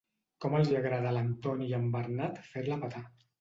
Com els hi agrada a l'Antoni i en Bernat fer-la petar.